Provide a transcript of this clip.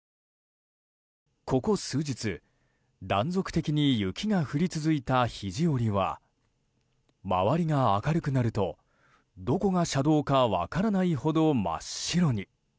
ここ数日断続的に雪が降り続いた肘折は周りが明るくなるとどこが車道か分からないほど真っ白に。